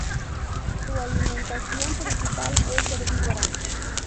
Su alimentación principal es herbívora.